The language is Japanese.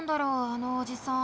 あのおじさん。